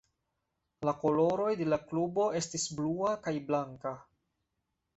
La koloroj de la klubo estis blua kaj blanka.